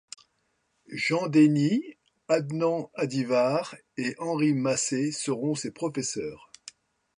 Jean Deny, Adnan Adıvar et Henri Massé seront ses professeurs.